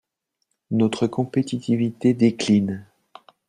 Notre compétitivité décline.